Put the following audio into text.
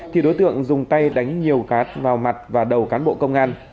thì đối tượng dùng tay đánh nhiều cát vào mặt và đầu cán bộ công an